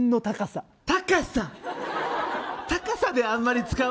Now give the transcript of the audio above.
高さ！